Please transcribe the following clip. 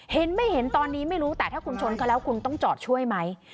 เห็นไม่เห็นตอนนี้ไม่รู้แต่ถ้าคุณชนเขาแล้วคุณต้องจอดช่วยไหม